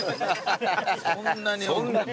そんなに。